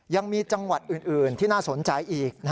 ยังมีจังหวัดอื่นที่น่าสนใจอีก